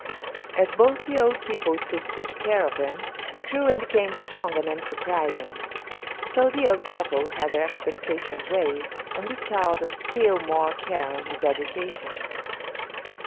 As both the old people took good care of him, he grew and became strong and enterprising. So the old couple had their expectations raised, and bestowed still more care on his education.